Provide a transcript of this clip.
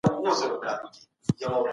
پاک بدن او پاکې جامې ولرئ.